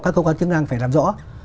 các cơ quan chức năng phải làm rõ